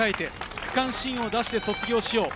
区間新出してから卒業しような！